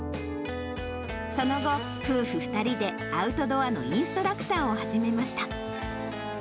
その後、夫婦２人でアウトドアのインストラクターを始めました。